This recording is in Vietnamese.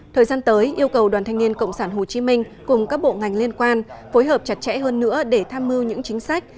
thời gian tới yêu cầu đoàn thanh niên cộng sản hồ chí minh cùng các bộ ngành liên quan phối hợp chặt chẽ hơn nữa để tham mưu những chính sách